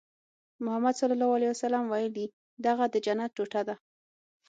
محمد ص ویلي دغه د جنت ټوټه ده.